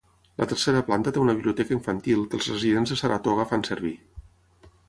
La tercera planta té una biblioteca infantil que els residents de Saratoga fan servir.